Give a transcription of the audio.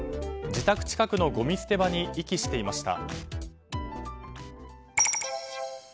自宅近くのごみ捨て場に遺棄していました。